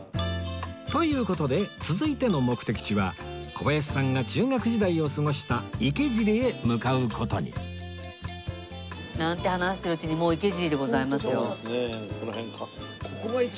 という事で続いての目的地は小林さんが中学時代を過ごした池尻へ向かう事になんて話してるうちにその時代。